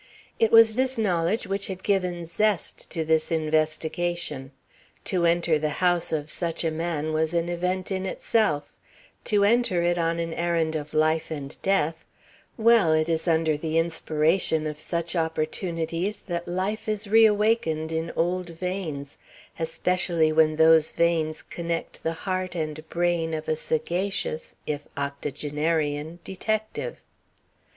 It was this knowledge which had given zest to this investigation. To enter the house of such a man was an event in itself: to enter it on an errand of life and death Well, it is under the inspiration of such opportunities that life is reawakened in old veins, especially when those veins connect the heart and brain of a sagacious, if octogenarian, detective.